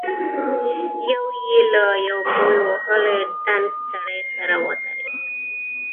يو يې له يوه مول وهلي دنګ سړي سره ودرېد.